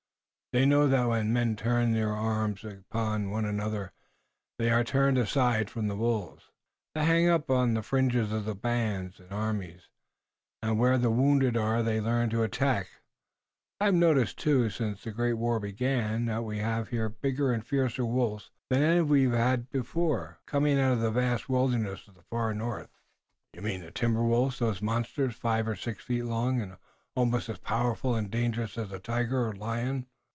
They know that when men turn their arms upon one another they are turned aside from the wolves. They hang upon the fringes of the bands and armies, and where the wounded are they learn to attack. I have noticed, too, since the great war began that we have here bigger and fiercer wolves than any we've ever known before, coming out of the vast wilderness of the far north." "You mean the timber wolves, those monsters, five or six feet long, and almost as powerful and dangerous as a tiger or a lion?"